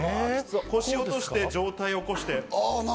腰を落として上体を起こして。